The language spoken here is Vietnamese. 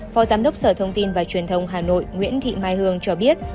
phó giám đốc sở thông tin và truyền thông hà nội nguyễn thị mai hương cho biết